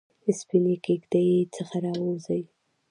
سپینې کیږ دۍ څخه راووزي